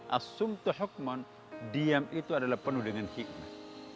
assumtu hukmon diam itu adalah penuh dengan hikmah